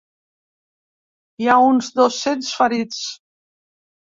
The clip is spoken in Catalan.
Hi ha uns dos-cents ferits.